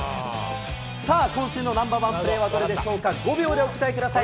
さあ、今週のナンバーワンプレーはどれでしょうか、５秒でお答えください。